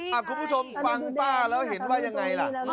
คุณผู้ชมฟังป้าแล้วเห็นว่ายังไงล่ะ